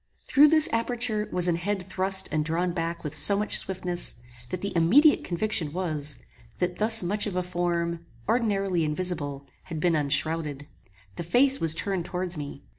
Through this aperture was an head thrust and drawn back with so much swiftness, that the immediate conviction was, that thus much of a form, ordinarily invisible, had been unshrowded. The face was turned towards me.